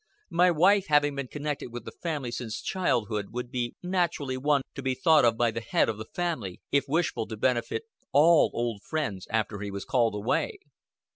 My wife having been connected with the family since childhood would be naturally one to be thought of by the head of the family if wishful to benefit all old friends after he was called away."